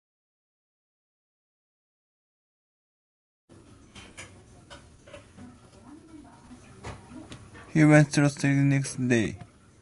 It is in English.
He went through surgery the next day.